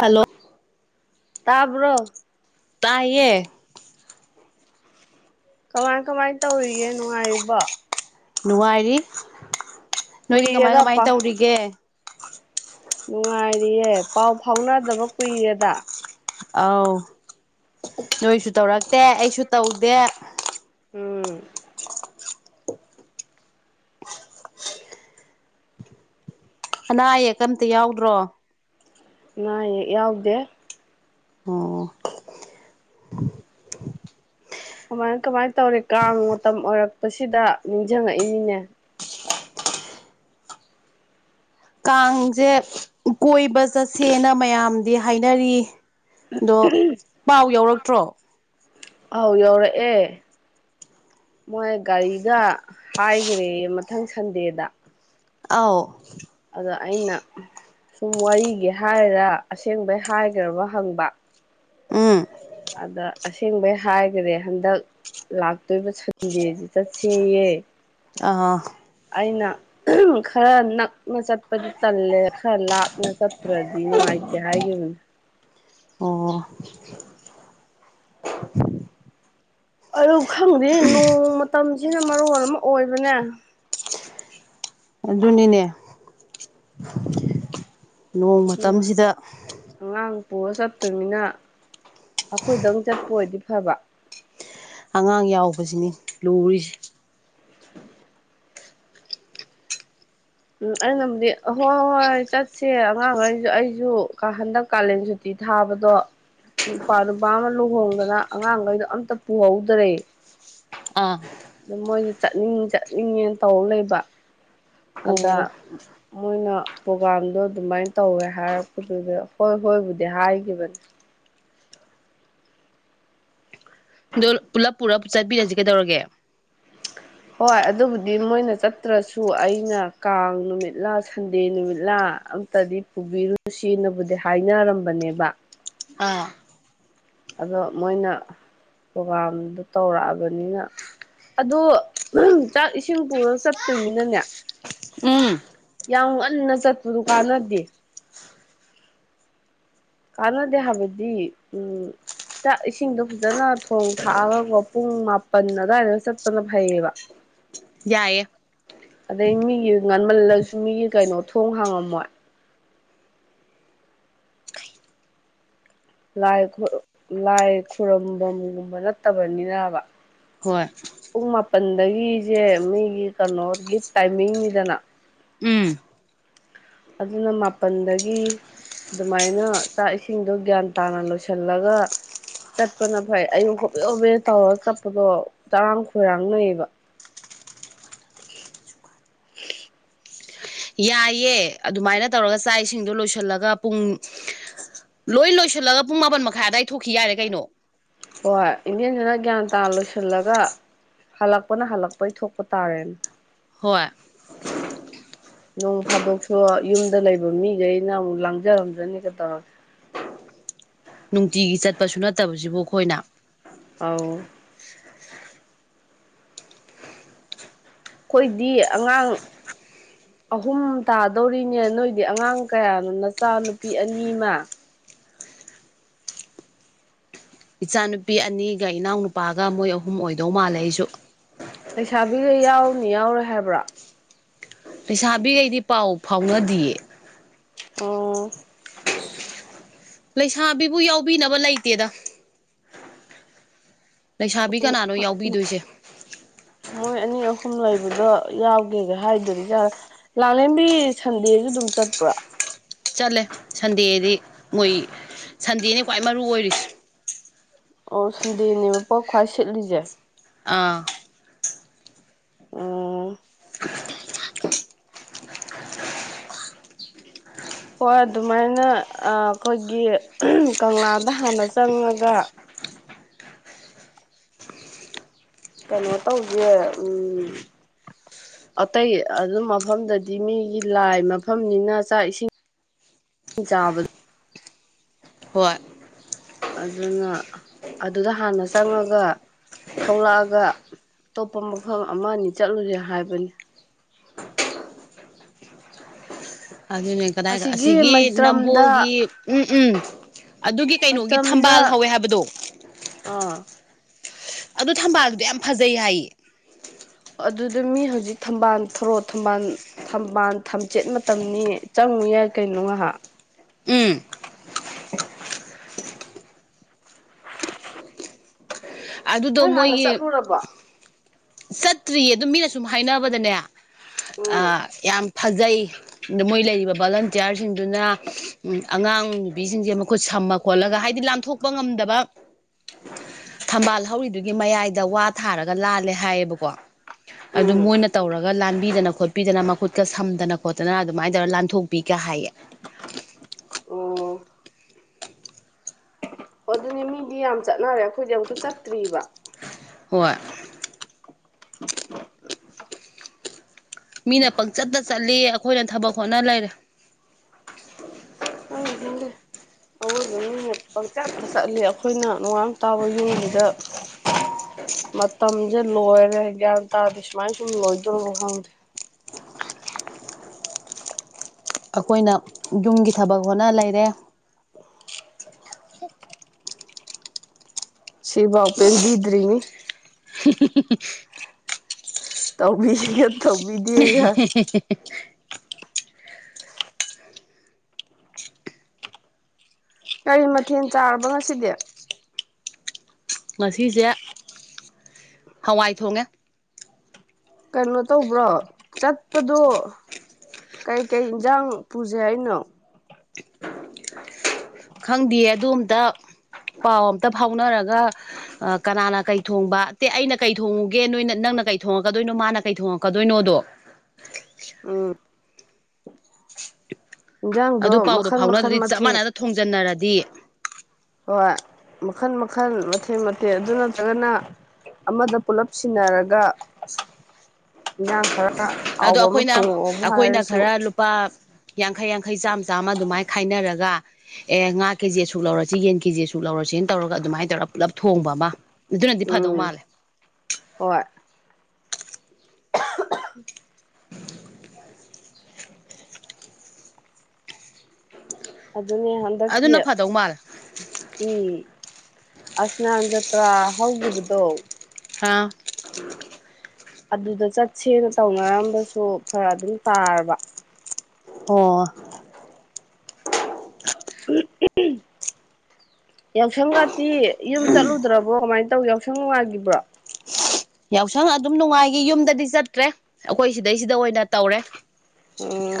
hello ꯇꯥꯕ꯭ꯔꯣ ꯇꯥꯏꯌꯦ ꯀꯃꯥꯏ ꯀꯃꯥꯏ ꯇꯧꯔꯤꯒꯦ ꯅꯨꯡꯉꯥꯏꯔꯤꯕꯣ ꯅꯨꯡꯉꯥꯏꯔꯤ ꯅꯣꯏꯗꯤ ꯀꯃꯥꯏ ꯀꯃꯥꯏ ꯀꯨꯏꯔꯦꯗꯄꯥ ꯇꯧꯔꯤꯒꯦ ꯅꯨꯡꯉꯥꯏꯔꯤꯌꯦ ꯄꯥꯎ ꯐꯥꯎꯅꯗꯕ ꯀꯨꯏꯔꯦꯗ ꯑꯥꯎ ꯅꯣꯏꯁꯨ ꯇꯧꯔꯛꯇꯦ ꯑꯩꯁꯨ ꯇꯧꯗꯦ ꯑꯝ ꯑꯅꯥ ꯑꯌꯦꯛꯀꯝꯇ ꯌꯥꯎꯗ꯭ꯔꯣ ꯑꯅꯥ ꯑꯌꯦꯛ ꯌꯥꯎꯗꯦ ꯑꯣ ꯀꯃꯥꯏ ꯀꯃꯥꯏꯅ ꯇꯧꯔꯤ ꯀꯥꯡ ꯃꯇꯝ ꯑꯣꯏꯔꯛꯄꯁꯤꯗ ꯅꯤꯡꯁꯤꯡꯉꯛꯏꯅꯤꯅꯦ ꯀꯥꯡꯁꯦ ꯀꯣꯏꯕ ꯆꯠꯁꯦꯅ ꯃꯌꯥꯝꯗꯤ ꯍꯥꯏꯅꯔꯤ ꯑꯗꯣ ꯄꯥꯎ ꯌꯥꯎꯔꯛꯇ꯭ꯔꯣ ꯑꯥꯎ ꯌꯧꯔꯛꯑꯦ ꯃꯣꯏ ꯒꯥꯔꯤꯒ ꯍꯥꯏꯈ꯭ꯔꯦ ꯃꯊꯪ ꯁꯟꯗꯦꯗ ꯑꯥꯎ ꯑꯗ ꯑꯩꯅ ꯁꯨꯝ ꯋꯥꯔꯤꯒꯤ ꯍꯥꯏꯔ ꯑꯁꯦꯡꯕꯩ ꯍꯥꯏꯈ꯭ꯔꯕ ꯍꯪꯕ ꯑꯝ ꯑꯗꯥ ꯑꯁꯦꯡꯕꯩ ꯍꯥꯏꯈ꯭ꯔꯦ ꯍꯟꯗꯛ ꯂꯥꯛꯇꯣꯏꯔꯤꯕ ꯁꯟꯗꯦꯁꯤ ꯆꯠꯁꯤꯌꯦ ꯑꯥ ꯑꯩꯅ ꯈꯔ ꯅꯛꯅ ꯆꯠꯄꯗꯤ ꯇꯜꯂꯦ ꯈꯔ ꯂꯥꯞꯅ ꯆꯠꯇ꯭ꯔꯗꯤ ꯅꯨꯡꯉꯥꯏꯇꯦ ꯍꯥꯏ ꯕꯅꯦ [inaudible] ꯑꯣ ꯑꯗꯨ ꯈꯪꯗꯦ ꯅꯣꯡ ꯃꯇꯝꯁꯤꯅ ꯃꯔꯣꯟ ꯑꯃ ꯑꯣꯏꯕꯅꯦ ꯑꯗꯨꯅꯤꯅꯦ ꯅꯣꯡ ꯃꯇꯝꯁꯤꯗ ꯄꯨꯔꯒ ꯆꯠꯇꯣꯏꯅꯤꯅ ꯑꯩꯈꯣꯏꯗꯪ ꯆꯠꯄ ꯑꯣꯏꯗꯤ ꯐꯕ ꯑꯉꯥꯡ ꯌꯥꯎꯕꯁꯤꯅꯤ ꯂꯨꯔꯤꯁꯦ ꯎꯝ ꯑꯩꯅꯕꯨꯗꯤ ꯑꯍꯣꯏ ꯍꯣꯏ ꯆꯠꯁꯦ ꯑꯉꯥꯡꯈꯩꯁꯨ ꯑꯩꯁꯨ ꯍꯟꯗꯛ ꯀꯥꯂꯦꯟ ꯁꯨꯇꯤ ꯊꯥꯕꯗꯣ ꯢꯄꯨꯋꯥ ꯅꯨꯄꯥ ꯑꯃ ꯂꯨꯍꯣꯡꯗꯅ ꯑꯉꯥꯡꯈꯩꯗꯣ ꯑꯝꯇ ꯄꯨꯍꯧꯗ꯭ꯔꯦ ꯑꯥ ꯑꯗꯨ ꯃꯣꯏꯁꯨ ꯆꯠꯅꯤꯡ ꯆꯠꯅꯤꯡꯉꯦꯅ ꯇꯧ ꯂꯩꯕ ꯑꯗꯥ ꯑꯣ ꯃꯣꯏꯅ ꯄ꯭ꯔꯣꯒꯥꯝꯗꯣ ꯑꯗꯨꯃꯥꯏꯅ ꯇꯧꯋꯦ ꯍꯥꯏꯔꯛꯄꯗꯨꯗ ꯍꯣꯏ ꯍꯣꯏꯕꯨꯗꯤ ꯍꯥꯏꯒꯤꯕꯅꯦ ꯑꯗꯣ ꯄꯨꯂꯞ ꯄꯨꯂꯞ ꯆꯠꯄꯤꯔꯁꯤ ꯀꯩꯗꯧꯔꯒꯦ ꯍꯣꯏ ꯑꯗꯨꯕꯨꯗꯤ ꯃꯣꯏꯅ ꯆꯠꯇ꯭ꯔꯁꯨ ꯑꯩꯅ ꯀꯥꯡ ꯅꯨꯃꯤꯠꯂꯥ ꯁꯟꯗꯦ ꯅꯨꯃꯤꯠꯂꯥ ꯑꯝꯇꯗꯤ ꯄꯨꯕꯤꯔꯨꯁꯤ ꯁꯤꯦꯅꯕꯨꯗꯤ ꯍꯥꯏꯅꯔꯝꯕꯅꯦꯕ ꯑꯥ ꯑꯗꯣ ꯃꯣꯏꯅ ꯄ꯭ꯔꯣꯒꯥꯝꯗꯣ ꯇꯧꯔꯛꯑꯕꯅꯤꯅ ꯑꯗꯣ ꯆꯥꯛ ꯏꯁꯤꯡ ꯄꯨꯔꯒ ꯆꯠꯇꯣꯏꯃꯤꯅꯅꯦ ꯎꯝ ꯌꯥꯝ ꯉꯟꯅ ꯆꯠꯄꯗꯨ ꯀꯥꯟꯅꯗꯦ ꯀꯥꯟꯅꯗꯦ ꯍꯥꯕꯗꯤ ꯎꯝ ꯏꯁꯤꯡꯗꯣ ꯐꯖꯅ ꯊꯣꯡ ꯊꯥꯛꯑꯒꯀꯣ ꯄꯨꯡ ꯃꯥꯄꯜ ꯑꯗꯨꯋꯥꯏꯗ ꯆꯠꯄꯅ ꯐꯩꯌꯦꯕ ꯌꯥꯌꯦꯦ ꯑꯗꯩ ꯃꯤꯒꯤ ꯉꯟꯃꯜꯂꯁꯨ ꯃꯤꯒꯤ ꯀꯩꯅꯣ ꯊꯣꯡ ꯍꯥꯡꯉꯝꯃꯣꯏ ꯂꯥꯏ ꯂꯥꯏ ꯈꯨꯔꯨꯝꯐꯝꯒꯨꯝꯕ ꯅꯠꯇꯕꯅꯤꯅꯕ ꯍꯣꯏ ꯄꯨꯡ ꯃꯥꯄꯜꯗꯒꯤꯁꯦ ꯃꯤꯒꯤ ꯀꯩꯅꯣ ꯇꯥꯏꯃꯤꯡꯅꯤꯗꯅ ꯎꯝ ꯑꯗꯨꯅ ꯃꯥꯄꯜꯗꯒꯤ ꯑꯗꯨꯃꯥꯏꯅ ꯆꯥꯛ ꯏꯁꯤꯡꯗꯣ ꯒ꯭ꯌꯥꯟ ꯇꯥꯅ ꯂꯣꯏꯁꯤꯜꯂꯒ ꯆꯠꯄꯅ ꯐꯩ ꯑꯌꯨꯛ ꯍꯣꯕꯦ ꯍꯣꯕꯦ ꯇꯧꯔꯒ ꯆꯠꯄꯗꯣ ꯆꯔꯥꯡ ꯈꯣꯏꯔꯥꯡ ꯂꯩꯌꯦꯕ ꯎ ꯎ [unintelligible] ꯌꯥꯏꯌꯦ ꯑꯗꯨꯃꯥꯏꯅ ꯇꯧꯔꯒ ꯆꯥꯛ ꯏꯁꯤꯡꯗꯣ ꯂꯣꯏꯁꯤꯜꯂꯒ ꯄꯨꯡ ꯂꯣꯏ ꯂꯣꯏꯁꯤꯜꯂꯒ ꯄꯨꯡ ꯃꯥꯄꯟ ꯃꯈꯥꯏ ꯑꯋꯥꯏ ꯊꯣꯛꯈꯤ ꯌꯥꯏꯔꯦ ꯀꯩꯅꯣ ꯍꯣꯏ ꯏꯟꯅꯦꯦꯟꯗꯨꯅ ꯒ꯭ꯌꯥꯟ ꯇꯥ ꯂꯣꯏꯁꯤꯜꯂꯒ ꯍꯜꯂꯛꯄꯅ ꯍꯜꯂꯛꯄꯩ ꯊꯣꯛꯄ ꯇꯥꯔꯦꯅꯦ ꯍꯣꯏ ꯅꯣꯡ ꯐꯥꯗꯣꯛꯁꯨ ꯌꯨꯝꯗ ꯂꯩꯕ ꯃꯤꯈꯩꯅ ꯑꯃꯨꯛ ꯂꯥꯡꯖꯔꯝꯗ꯭ꯔꯅꯤꯒ ꯇꯧꯔꯒꯦ ꯅꯨꯡꯇꯤꯒꯤ ꯆꯠꯄꯁꯨ ꯅꯠꯇꯕꯁꯤꯕꯨ ꯑꯩꯈꯣꯏꯅ ꯑ ꯑꯩꯈꯣꯏꯗꯤ ꯑꯉꯥꯡ ꯑꯍꯨꯝ ꯇꯥꯗꯧꯔꯤꯅꯦ ꯅꯣꯏꯗꯤ ꯑꯉꯥꯡ ꯀꯌꯥꯅꯣ ꯅꯆꯥ ꯅꯨꯄꯤ ꯑꯅꯤꯃ ꯏꯆꯥꯅꯨꯄꯤ ꯑꯅꯤꯒ ꯏꯅꯥꯎꯅꯨꯄꯥꯒ ꯃꯣꯏ ꯑꯍꯨꯝ ꯑꯣꯏꯗꯧ ꯃꯥꯜꯂꯦ ꯑꯩꯁꯨ ꯂꯩꯩꯁꯥꯕꯤꯈ ꯌꯥꯎꯅꯤ ꯌꯥꯎꯔꯦ ꯍꯥꯏꯕ꯭ꯔꯥ ꯂꯩꯩꯁꯥꯕꯤꯈꯩꯗꯤ ꯄꯥꯎ ꯐꯥꯎꯅꯗꯌꯦ ꯑꯣ ꯂꯩꯁꯥꯕꯤꯕꯨ ꯌꯥꯎꯕꯤꯅꯕ ꯂꯩꯇꯦꯗ ꯂꯩꯁꯥꯕꯤ ꯀꯅꯥꯅꯣ ꯌꯥꯎꯕꯤꯗꯣꯏꯁꯦ ꯃꯣꯏ ꯑꯅꯤ ꯑꯍꯨꯝ ꯂꯩꯕꯗꯣ ꯌꯥꯎꯒꯦꯒ ꯍꯥꯏꯗꯗꯤ ꯌꯥꯔ ꯂꯥꯛꯂꯦꯝꯦꯝꯕꯤ ꯁꯟꯗꯦꯁꯨꯝ ꯂꯝꯣꯡꯆꯠꯄ꯭ꯔꯥ ꯆꯠꯂꯦ ꯁꯟꯗꯦꯗꯤ ꯃꯣꯏ ꯁꯟꯗꯦꯅꯤ ꯈ꯭ꯋꯥꯏ ꯃꯔꯨ ꯑꯣꯏꯔꯤꯁꯦ ꯑꯣ ꯁꯟꯗꯦꯅꯦꯕ ꯄꯣꯛ ꯈ꯭ꯋꯥꯏ ꯁꯤꯠꯂꯤꯁꯦ ꯑꯥ ꯑ ꯍꯣꯏ ꯑꯗꯨꯃꯥꯏꯅ ꯑꯩꯈꯣꯏꯒꯤ ꯀꯪꯂꯥꯗ ꯍꯥꯟꯅ ꯆꯪꯉꯒ ꯀꯩꯅꯣ ꯇꯧꯒꯦ ꯎꯝ ꯑꯇꯩ ꯑꯗꯨ ꯃꯐꯝꯗꯗꯤ ꯃꯤꯒꯤ ꯂꯥꯏ ꯃꯐꯝꯅꯤꯅ ꯆꯥꯛ ꯏꯁꯤꯡ ꯆꯥꯕ ꯍꯣꯏ ꯑꯗꯨꯅ ꯑꯗꯨꯗ ꯍꯥꯟꯅ ꯆꯪꯉꯒ ꯊꯣꯛꯂꯛꯑꯒ ꯑꯇꯣꯞꯄ ꯃꯐꯝ ꯑꯃꯅꯤ ꯆꯠꯂꯨꯁꯦ ꯍꯥꯏꯕꯅꯤ ꯑꯗꯨꯅꯦ ꯀꯗꯥꯏ ꯑꯁꯤꯒꯤ ꯅꯝꯕꯣꯜꯒꯤ ꯎꯝ ꯎꯝ ꯑꯗꯨꯒꯤ ꯀꯩꯅꯣꯒꯤ ꯃꯩꯇ꯭ꯔꯝꯗ ꯊꯝꯕꯥꯜ ꯍꯧꯋꯦ ꯍꯥꯏꯕꯗꯣ ꯑꯥ ꯑꯗꯨ ꯊꯝꯕꯥꯜꯗꯨꯗꯤ ꯌꯥꯝ ꯐꯖꯩ ꯍꯥꯏꯌꯦ ꯑꯗꯨꯗ ꯃꯤ ꯍꯧꯖꯤꯛ ꯊꯝꯕꯥꯜ ꯊꯧꯣꯔꯣ ꯊꯝꯕꯥꯜ ꯊꯝꯕꯥꯜ ꯊꯝꯆꯦꯠ ꯃꯇꯝꯅꯤ ꯪꯉ ꯌꯥꯏ ꯀꯩꯅꯣ ꯉꯍꯥꯛ ꯎꯝ ꯑꯗꯨꯗꯣ ꯅꯣꯏ ꯍꯥꯟꯅ ꯃꯣꯏꯒꯤ ꯆꯠꯂꯨꯔꯕꯣ ꯆꯠꯇ꯭ꯔꯤꯌꯦ ꯑꯗꯨ ꯃꯤꯅ ꯁꯨꯝ ꯍꯥꯏꯅꯕꯗꯅꯦ ꯎꯝ ꯌꯥꯝ ꯐꯖꯩ ꯑꯗ ꯃꯣꯏ ꯂꯩꯔꯤꯕ ꯚꯣꯂꯟꯇꯤꯌꯥꯔꯁꯤꯡꯗꯨꯅ ꯑꯉꯥꯡ ꯅꯨꯕꯤꯁꯤꯡꯁꯦ ꯃꯈꯨꯠ ꯊꯝꯃ ꯈꯣꯠꯂꯒ ꯍꯥꯏꯗꯤ ꯂꯥꯟꯊꯣꯛꯄ ꯉꯝꯗꯕ ꯊꯝꯕꯥꯜ ꯍꯧꯔꯤꯗꯨꯒꯤ ꯃꯌꯥꯏꯗ ꯋꯥ ꯊꯥꯔꯒ ꯂꯥꯜꯂꯦ ꯍꯥꯏꯌꯦꯕꯀꯣ ꯀꯣ ꯑꯗꯨ ꯎꯝ ꯃꯣꯏꯅ ꯇꯧꯔꯒ ꯒ ꯂꯥꯟꯕꯤꯗꯅ ꯈꯣꯠꯄꯤꯗꯅ ꯃꯈꯨꯠꯀ ꯁꯝꯗꯅ ꯈꯣꯠꯇꯅ ꯑꯗꯨꯃꯥꯏꯅ ꯇꯧꯔꯒ ꯂꯥꯟꯊꯣꯛꯄꯤ ꯀꯥꯏ ꯑꯣ ꯑꯣ ꯑꯗꯨꯅꯦ ꯃꯤꯗꯤ ꯌꯥꯝ ꯆꯠꯅꯔꯦ ꯑꯩꯈꯣꯏꯗꯤ ꯑꯝꯛꯇ ꯆꯠꯇ꯭ꯔꯤꯕ ꯍꯣꯏ [inaudible] ꯃꯤꯅ ꯄꯪꯆꯠꯇ ꯆꯠꯂꯤ ꯑꯩꯈꯣꯏꯅ ꯊꯕꯛ ꯍꯣꯠꯅ ꯂꯩꯔꯦ ꯍꯗ ꯑꯋꯣꯏꯕ ꯃꯤꯅ ꯄꯪꯆꯥꯠꯇ ꯆꯠꯂꯤ ꯑꯩꯈꯣꯏꯅ ꯅꯨꯡꯉ ꯇꯥꯕ ꯌꯣꯟꯕꯗ ꯃꯇꯝꯁꯦ ꯂꯣꯏꯔꯦ ꯒ꯭ꯌꯥꯟ ꯇꯥꯔꯗꯤ ꯁꯨꯃꯥꯏ ꯁꯨꯝ ꯂꯣꯏꯗꯣꯏ ꯈꯪꯗꯦ [inaudible] ꯑꯩꯈꯣꯏꯅ ꯌꯨꯝꯒꯤ ꯊꯕꯛ ꯍꯣꯠꯅ ꯂꯩꯔꯦ ꯁꯤꯕꯥꯄꯦꯟꯕꯤꯗ꯭ꯔꯤꯅꯤ [inaudible] ꯇꯧꯕꯤꯒ ꯇꯧꯕꯤꯗꯤꯒ ꯀꯔꯤ ꯃꯊꯦꯜ ꯆꯥꯔꯕ ꯉꯁꯤꯗꯤ ꯉꯁꯤꯁꯦ ꯍꯋꯥꯏ ꯊꯣꯡꯉꯦ ꯀꯩꯅꯣ ꯇꯧꯕ꯭ꯔꯣ ꯆꯠꯄꯗꯣ ꯀꯩꯀꯩ ꯏꯟꯁꯥꯡ ꯄꯨꯁꯦ ꯑꯩꯅꯣ ꯈꯪꯗꯦꯌꯦ ꯑꯗꯨꯗ ꯑꯝꯇ ꯄꯥꯎ ꯑꯝꯇ ꯐꯥꯎꯅꯔꯒ ꯀꯅꯥꯅ ꯀꯩ ꯊꯣꯡꯕ ꯑꯇꯦ ꯑꯩꯅ ꯀꯩ ꯊꯣꯡꯉꯨꯒꯦ ꯅꯣꯏꯅ ꯅꯪ ꯅꯪꯅ ꯀꯩ ꯊꯣꯉꯛꯀꯗꯣꯏꯅꯣ ꯃꯥꯅ ꯀꯩ ꯊꯣꯉꯛꯀꯗꯣꯏꯅꯣꯗꯣ ꯎꯝ ꯑꯗꯨ ꯏꯟꯖꯥꯡꯗꯣ ꯄꯥꯎꯗꯣ ꯃꯈꯜ ꯐꯥꯎꯅ ꯃꯈꯜ ꯑꯗꯨꯗꯤ ꯆꯞ ꯃꯊꯦꯜ ꯃꯥꯟꯅꯅ ꯊꯣꯡꯖꯤꯟꯅꯔꯗꯤ ꯍꯣꯏ ꯃꯈꯜ ꯃꯈꯜ ꯃꯊꯦꯜ ꯃꯊꯦꯛ ꯑꯗꯨ ꯅꯠꯇ꯭ꯔꯒꯅ ꯑꯃꯗ ꯄꯨꯂꯞ ꯁꯤꯟꯅꯔꯒ ꯏꯟꯉꯥꯡ ꯈꯔ ꯑꯗꯣ ꯍꯥꯎꯕ ꯑꯃ ꯑꯩꯈꯣꯏꯅ ꯊꯣꯡꯉꯛꯑꯣꯕꯨ ꯑꯩꯈꯣꯏꯅ ꯍꯥꯏꯔꯁꯨ ꯈꯔ ꯂꯨꯄꯥ ꯌꯥꯡꯈꯩ ꯌꯥꯡꯈꯩ ꯆꯥꯝꯃ ꯆꯥꯝꯃ ꯑꯗꯨꯃꯥꯏꯅ ꯈꯥꯏꯅꯔꯒ ꯑꯦ ꯉꯥ ꯀꯦꯖꯤ ꯑꯁꯨꯛ ꯂꯧꯔꯁꯤ ꯌꯦꯟ ꯀꯦꯖꯤ ꯑꯁꯨꯛ ꯂꯧꯔꯁꯤꯦꯅ ꯇꯧꯔꯒ ꯑꯗꯨꯃꯥꯏꯅ ꯇꯧꯔꯒ ꯄꯨꯂꯞ ꯊꯣꯡꯕ ꯃ ꯑꯗꯨꯅꯗꯤ ꯐꯥꯗꯧ ꯎꯝ ꯃꯥꯜꯂꯦ ꯍꯣꯏ [inaudible] ꯑꯗꯨꯅꯦ ꯍꯟꯗꯛꯀꯤ ꯑꯗꯨꯅ ꯐꯗꯧ ꯃꯥꯜꯂꯦ ꯏ ꯑꯁꯅꯥꯟ ꯖꯇ꯭ꯔꯥ ꯍꯧꯈꯤꯕꯗꯣ ꯍꯥꯥ ꯑꯗꯨꯗ ꯆꯠꯁꯦꯅ ꯇꯧꯅꯔꯝꯕꯁꯨ ꯐꯔ ꯑꯗꯨꯝ ꯇꯥꯔꯕ ꯑꯣ [inaudible] ꯌꯥꯎꯁꯪꯒꯥꯇꯤ ꯌꯨꯝ ꯆꯠꯂꯨꯗ꯭ꯔꯕꯣ ꯀꯃꯥꯏꯅ ꯇꯧ ꯌꯥꯎꯁꯪ ꯅꯨꯡꯉꯥꯏꯕ꯭ꯔꯣ ꯌꯥꯎꯁꯪ ꯑꯗꯨꯝ ꯅꯨꯡꯉꯥꯏꯈꯤ ꯌꯨꯝꯗꯗꯤ ꯆꯠꯇ꯭ꯔꯦ ꯑꯩꯈꯣꯏ ꯁꯤꯗꯩꯁꯤꯗ ꯑꯣꯏꯅ ꯇꯧꯔꯦ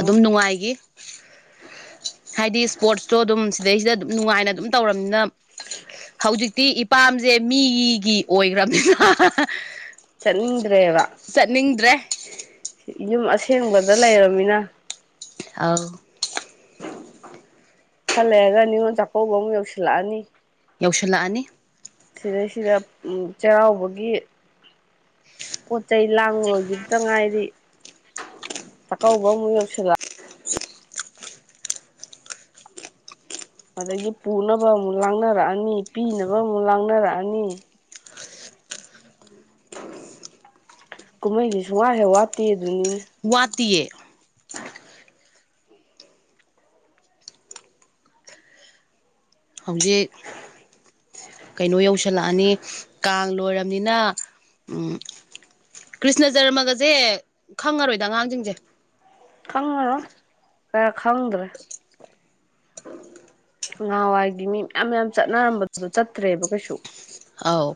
ꯑꯗꯨꯝ ꯅꯨꯡꯉꯥꯏꯈꯤ ꯍꯥꯏꯗꯤ ꯏꯁꯄꯣꯔꯠꯁꯇꯣ ꯑꯗꯨꯝ ꯁꯤꯗꯩꯁꯤꯗ ꯑꯗꯨꯝ ꯅꯨꯡꯉꯥꯏꯅ ꯑꯗꯨꯝ ꯇꯧꯔꯕꯝꯅꯤꯅ ꯍꯧꯖꯤꯛꯇꯤ ꯏꯄꯥꯝꯁꯦ ꯃꯤꯒꯤ ꯑꯣꯏꯈ꯭ꯔꯕꯅꯤꯅ ꯆꯠꯅꯤꯡꯗ꯭ꯔꯦꯕ ꯆꯠꯅꯤꯡꯗ꯭ꯔꯦ ꯌꯨꯝ ꯑꯁꯦꯡꯕꯗ ꯂꯩꯔꯕꯃꯤꯅ ꯑꯥꯎ ꯈꯜꯂꯛꯑꯒ ꯅꯤꯉꯣꯜ ꯆꯥꯛꯀꯧꯕ ꯑꯃꯨꯛ ꯌꯧꯁꯤꯜꯂꯛꯑꯅꯤ ꯌꯧꯁꯤꯜꯂꯛꯑꯅꯤ ꯁꯤꯗꯩꯁꯤꯗ ꯆꯩꯔꯥꯎꯕꯒꯤ ꯄꯣꯠ ꯆꯩ ꯂꯥꯡꯉꯕꯒꯤꯇ ꯉꯥꯏꯔꯤ ꯆꯀꯥꯎꯕ ꯑꯃ ꯌꯧꯁꯤꯂꯥ ꯑꯗꯒꯤ ꯄꯨꯅꯕ ꯑꯃꯨꯛ ꯂꯥꯡꯅꯔꯛꯑꯅꯤ ꯄꯤꯅꯕ ꯑꯃꯨꯛ ꯂꯥꯡꯅꯔꯛꯑꯅꯤ ꯀꯨꯝꯍꯩꯁꯤ ꯁꯨꯡ ꯋꯥꯔꯦ ꯋꯥꯠꯇꯦ ꯑꯗꯨꯅꯤꯅ ꯋꯥꯇꯌꯦ ꯍꯧꯖꯤꯛ ꯀꯩꯅꯣ ꯌꯧꯁꯤꯜꯂꯛꯑꯅꯤ ꯀꯥꯡ ꯂꯣꯏꯔꯕꯅꯤꯅ ꯀ꯭ꯔꯤꯁꯅ ꯖꯔꯃꯒꯁꯦ ꯈꯪꯉꯔꯣꯏꯗ ꯑꯉꯥꯡꯁꯤꯡꯁꯦ ꯈꯪꯉꯔ ꯀ ꯈꯪꯗ꯭ꯔꯦ ꯅꯍꯥꯟꯋꯥꯏꯒꯤ ꯃꯤ ꯃꯌꯥꯝ ꯃꯌꯥꯝ ꯆꯠꯅꯔꯝꯕꯗꯨꯗꯣ ꯆꯠꯇ꯭ꯔꯦꯕ ꯀꯩꯁꯨ ꯑꯥꯎ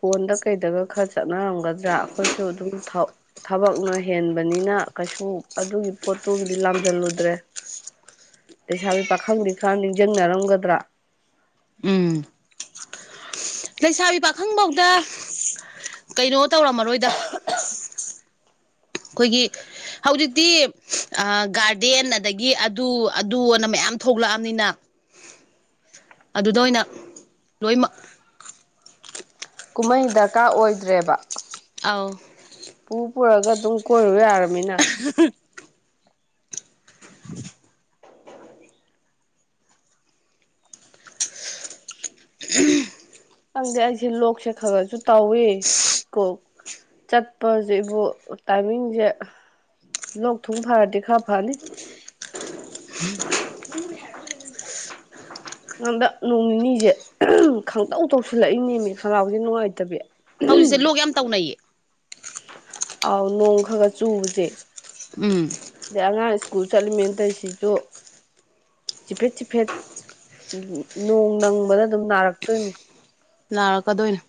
ꯀꯣꯟꯗ ꯀꯩꯗꯒ ꯈꯔ ꯆꯠꯅꯔꯝꯒꯗ꯭ꯔꯥ ꯑꯩꯈꯣꯏꯁꯨ ꯑꯗꯨꯝ ꯊꯕꯛꯅ ꯍꯦꯟꯕꯅꯤꯅ ꯀꯩꯁꯨ ꯑꯗꯨꯒꯤ ꯄꯣꯠꯇꯨꯗꯤ ꯂꯥꯝꯁꯤꯜꯂꯨꯗ꯭ꯔꯦ [inaudible] ꯂꯩꯁꯥꯕꯤ ꯄꯥꯈꯪꯗꯤ ꯈꯔ ꯅꯤꯡꯁꯤꯡꯅꯔꯝꯒꯗ꯭ꯔꯥ ꯎꯝ ꯂꯩꯁꯥꯕꯤ ꯄꯥꯈꯪꯐꯧꯗ ꯀꯩꯅꯣ ꯇꯧꯔꯝꯃꯔꯣꯏꯗ ꯑꯩꯈꯣꯏꯒꯤ ꯍꯧꯖꯤꯛꯇꯤ ꯒꯥꯔꯗꯦꯟ ꯑꯗꯒꯤ ꯑꯗꯨ ꯑꯗꯨ ꯑꯅ ꯃꯌꯥꯝ ꯌꯥꯝ ꯊꯣꯛꯂꯛꯑꯕꯅꯤꯅ ꯑꯗꯨꯗ ꯑꯣꯏꯅ ꯂꯣꯏꯃꯛ ꯀꯨꯝꯍꯩ ꯗꯔꯀꯥꯔ ꯑꯣꯏꯗ꯭ꯔꯦꯕ ꯑꯥꯎ ꯄ ꯄꯨ ꯄꯨꯂꯒ ꯑꯗꯨꯝ ꯀꯔꯕꯦ ꯌꯥꯔ ꯑꯍꯍ [inaudible] ꯈꯪꯗꯦ ꯑꯩꯁꯦ ꯂꯣꯛꯁꯦ ꯈꯔꯔꯁꯨ ꯇꯧꯋꯦ ꯀꯣꯛ ꯆꯠꯄꯁꯤꯕꯨ ꯇꯥꯏꯃꯤꯡꯁꯦ ꯂꯣꯛ ꯊꯨꯡ ꯐꯥꯔꯗꯤ ꯈꯔ ꯐꯅꯤ ꯅꯟꯗꯛ ꯅꯣꯡ ꯅꯤꯅꯤꯁꯦ ꯈꯪꯇꯧ ꯇꯧꯁꯤꯜꯂꯛꯏꯅꯦꯃꯤ ꯈꯪꯅꯥꯥꯎꯁꯦ ꯅꯨꯡꯉꯥꯏꯇꯕꯤ ꯍꯧꯖꯤꯛꯁꯦ ꯂꯣꯛ ꯌꯥꯝ ꯇꯧꯅꯩꯌꯦ ꯑꯥꯎ ꯅꯣꯡ ꯈ ꯈ ꯆꯨꯕꯁꯦ ꯎꯝ ꯑꯗꯩ ꯑꯉꯥꯡ ꯁ꯭ꯀꯨꯜ ꯆꯠꯂꯤꯃꯤꯦꯟꯗ ꯁꯤꯁꯨ ꯆꯤꯐꯦꯠ ꯆꯤꯐꯦꯠ ꯅꯣꯡ ꯅꯪꯕꯗ ꯑꯗꯨꯝ ꯅꯥꯔꯛꯇꯣꯏꯅꯤ ꯂꯅꯥꯔꯛꯀꯗꯣꯏꯅꯦ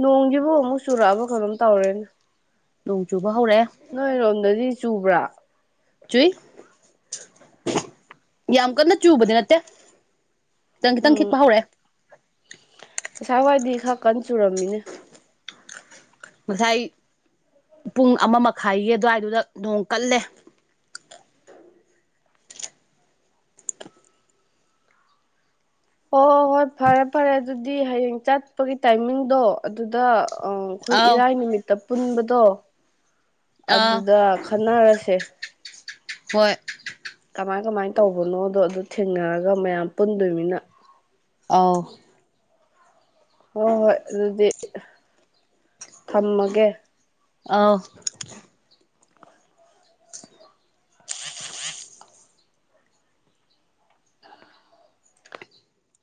ꯅꯣꯡꯒꯤꯕꯨ ꯑꯃꯨꯛ ꯆꯨꯔꯛꯑꯕ ꯀꯩꯅꯣꯝ ꯇꯧꯔꯦꯅ ꯅꯣꯡ ꯆꯨꯕ ꯍꯧꯔꯛꯑꯦ ꯅꯣꯏꯔꯣꯝꯗꯗꯤ ꯆꯨꯕ꯭ꯔꯥ ꯇ꯭ꯨꯏ ꯌꯥꯝ ꯀꯟꯅ ꯆꯨꯕꯗꯤ ꯅꯠꯇꯦ ꯈꯤꯇꯪ ꯈꯤꯇꯪ ꯈꯤꯛꯄ ꯍꯧꯔꯛꯑꯦ ꯄꯁꯥꯋꯥꯏꯗꯤ ꯈꯔ ꯀꯟ ꯆꯨꯔꯝꯃꯤꯅꯦ ꯉꯁꯥꯏ ꯄꯨꯡ ꯑꯃ ꯃꯈꯥꯏꯒꯤ ꯑꯗꯨꯋꯥꯏꯗꯨꯗ ꯅꯣꯡ ꯀꯜꯂꯦ ꯍꯣꯏ ꯍꯣꯏ ꯐꯔꯦ ꯐꯔꯦ ꯑꯗꯨꯗꯤ ꯍꯌꯦꯡ ꯆꯠꯄꯒꯤ ꯇꯥꯏꯃꯤꯡꯗꯣ ꯑꯗꯨꯗ ꯑ ꯑꯩꯈꯣꯏ ꯑꯥꯎ ꯏꯔꯥꯏ ꯅꯨꯃꯤꯠꯇ ꯄꯨꯟꯕꯗꯣ ꯑꯥ ꯑꯗꯨꯗ ꯈꯟꯅꯔꯁꯦ ꯍꯣꯏ ꯇꯧꯕꯅꯣ ꯑꯗꯣ ꯑꯗꯨ ꯊꯦꯡꯅꯔꯒ ꯃꯌꯥꯝ ꯄꯨꯟꯗꯣꯏꯃꯤꯅ ꯑꯥꯎ ꯍꯣꯏ ꯍꯣꯏ ꯑꯗꯨꯗꯤ ꯊꯝꯃꯒꯦ ꯑ